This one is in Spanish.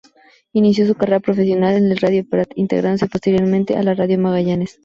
Inició su carrera profesional en la Radio Prat, integrándose posteriormente a la Radio Magallanes.